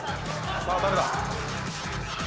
さあ誰だ？